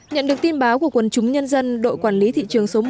nhận được tin báo của quần chúng nhân dân đội quản lý thị trường số một